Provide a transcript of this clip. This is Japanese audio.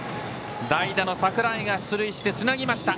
代打の櫻井が出塁してつなぎました。